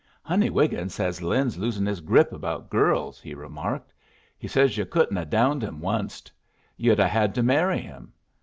"Honey Wiggin says Lin's losing his grip about girls," he remarked. "He says you couldn't 'a' downed him onced. You'd 'a' had to marry him.